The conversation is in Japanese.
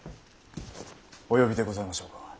お呼びでございましょうか。